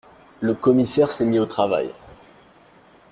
Le commissaire s’est mis au travail…